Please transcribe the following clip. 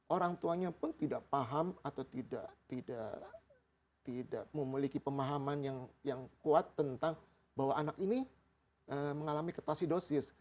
orang tuanya pun tidak paham atau tidak memiliki pemahaman yang kuat tentang bahwa anak ini mengalami ketasidosis